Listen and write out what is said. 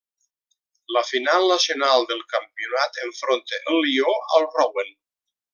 La final nacional del campionat enfronta el Lió al Rouen.